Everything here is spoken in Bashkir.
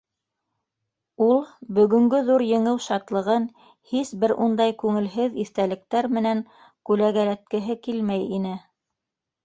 Ул бөгөнгө ҙур еңеү шатлығын һис бер ундай күңелһеҙ иҫтәлектәр менән күләгәләткеһе килмәй ине.